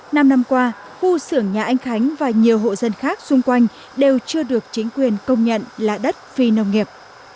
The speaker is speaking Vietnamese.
năm năm qua khu xưởng nhà anh khánh và nhiều hộ dân khác xung quanh đều chưa được chính quyền công nhận là đất phi nông nghiệp